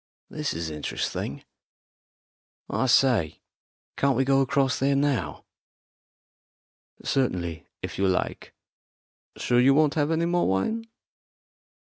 This is interesting. I say, can't we go across there now?" "Certainly, if you like. Sure you won't have any more wine?